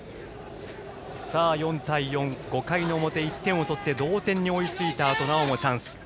４対４、５回の表１点を取って同点に追いついたあとなおもチャンス。